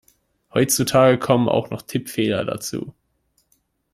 Heutzutage kommen auch noch Tippfehler dazu.